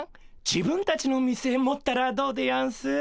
自分たちの店持ったらどうでやんす？